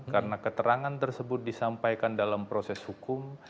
karena keterangan tersebut disampaikan dalam proses hukum